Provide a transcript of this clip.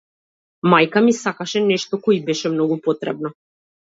Мајка ми сакаше нешто кое ѝ беше многу потребно.